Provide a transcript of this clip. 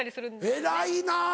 偉いな。